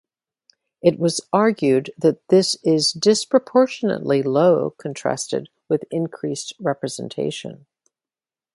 It was argued that this is disproportionately low contrasted with increased representation.